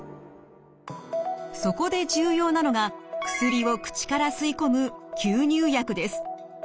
そこで重要なのが薬を口から吸い込む吸入薬です。